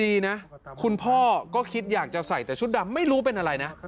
ดีนะคุณพ่อก็คิดอยากจะใส่แต่ชุดดำไม่รู้เป็นอะไรนะ